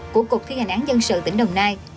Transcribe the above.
của cục thi hành án dân sự tỉnh đồng nai